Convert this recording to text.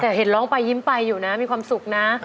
แต่เห็นร้องมีความสุข